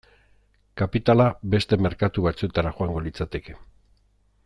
Kapitala beste merkatu batzuetara joango litzateke.